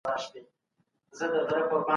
زه به اوږده موده ونې ته اوبه ورکړې وم.